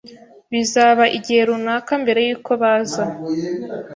Bizaba igihe runaka mbere yuko baza.